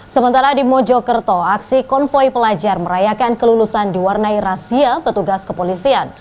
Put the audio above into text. sementara di mojokerto aksi konvoy pelajar merayakan kelulusan diwarnai rahasia petugas kepolisian